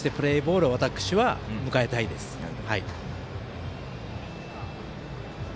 そこまでしてプレーボールを私は迎えたいです。